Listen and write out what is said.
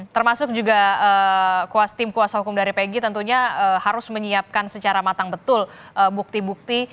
termasuk juga tim kuasa hukum dari pegi tentunya harus menyiapkan secara matang betul bukti bukti